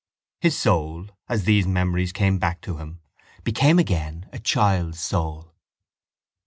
His soul, as these memories came back to him, became again a child's soul.